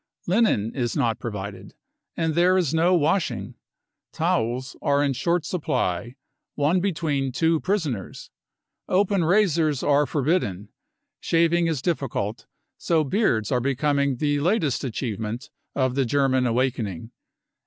Linen is not provided, and there is no washing. Towels are in short supply : one between two prisoners. Open razors are forbidden. Shaving is diffi cult, so beards are becoming the latest achievement of the German awakening.